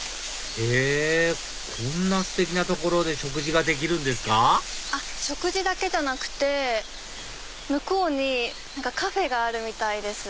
へぇこんなステキな所で食事ができるんですか食事だけじゃなくて向こうにカフェがあるみたいです。